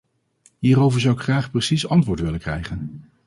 Hierover zou ik graag precies antwoord willen krijgen.